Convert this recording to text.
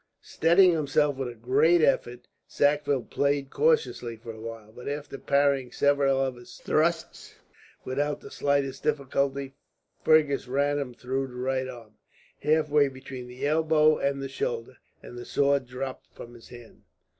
Steadying himself with a great effort, Sackville played cautiously for a time; but after parrying several of his thrusts, without the slightest difficulty, Fergus ran him through the right arm, halfway between the elbow and the shoulder, and the sword dropped from his hand.